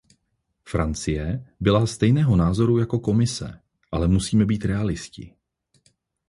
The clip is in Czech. Francie byla stejného názoru jako Komise, ale musíme být realisti.